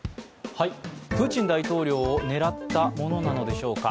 プーチン大統領を狙ったものなのでしょうか。